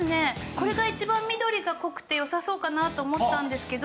これが一番緑が濃くてよさそうかなと思ったんですけど。